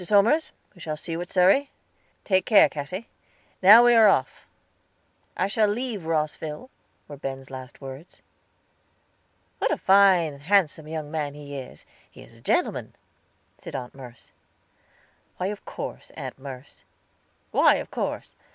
Somers, we shall see you at Surrey? Take care, Cassy. Now we are off." "I shall leave Rosville," were Ben's last words. "What a fine, handsome young man he is! He is a gentleman," said Aunt Merce. "Of course, Aunt Merce." "Why of course?